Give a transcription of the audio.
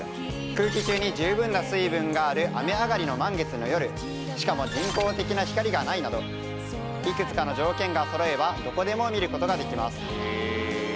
空気中に十分な水分がある雨上がりの満月の夜しかも人工的な光がないなどいくつかの条件がそろえばどこでも見ることができます。